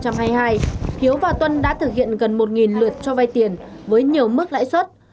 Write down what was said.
hiếu và tuân đã thực hiện gần một lượt cho vay tiền với nhiều mức lãi suất